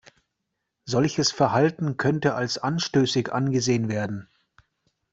Solches Verhalten könnte als anstößig angesehen werden.